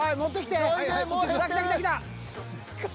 来た来た来た。